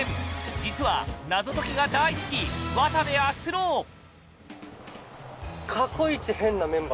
実は謎解きが大好き渡部篤郎過去一